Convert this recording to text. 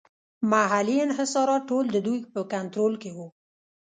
محلي انحصارات ټول د دوی په کنټرول کې وو.